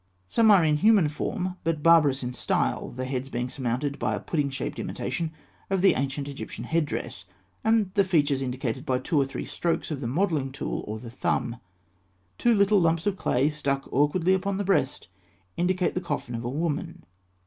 Some are in human form, but barbarous in style, the heads being surmounted by a pudding shaped imitation of the ancient Egyptian head dress, and the features indicated by two or three strokes of the modelling tool or the thumb. Two little lumps of clay stuck awkwardly upon the breast indicate the coffin of a woman.